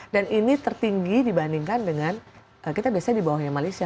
dan ini tertinggi dibandingkan dengan kita biasanya di bawahnya malaysia